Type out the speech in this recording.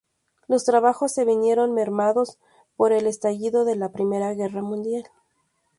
Los trabajos se vieron mermados por el estallido de la Primera Guerra Mundial.